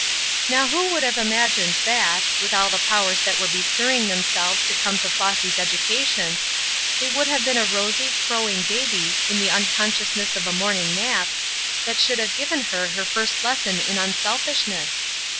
Now who would have imagined that, with all the powers that were bestirring themselves to come to Flossy's education, it would have been a rosy, crowing baby, in the unconsciousness of a morning nap, that should have given her her first lesson in unselfishness?